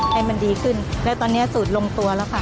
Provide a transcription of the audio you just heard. ให้มันดีขึ้นและตอนนี้สูตรลงตัวแล้วค่ะ